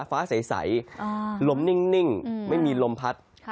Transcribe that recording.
ฟ้าใสลมนิ่งไม่มีลมพัด